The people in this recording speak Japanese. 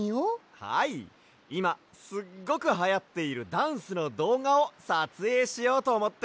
はいいますっごくはやっているダンスのどうがをさつえいしようとおもって。